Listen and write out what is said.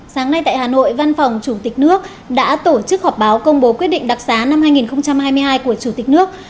sáng nay tại hà nội văn phòng chủ tịch nước đã tổ chức họp báo công bố quyết định đặc xá năm hai nghìn hai mươi hai của chủ tịch nước